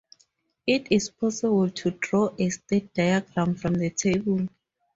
It is possible to draw a state diagram from the table.